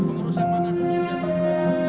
pengurus yang mana dulu siapa